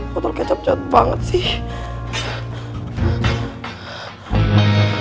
kota kecap jatuh banget sih